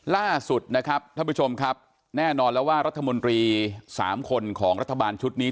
ล่าสุดนะครับท่านผู้ชมครับแน่นอนแล้วว่ารัฐมนตรี๓คนของรัฐบาลชุดนี้